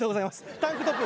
タンクトップ。